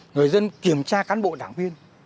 người dân kiểm tra cán bộ đảng viên